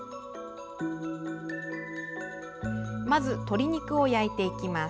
まず、鶏肉を焼いていきます。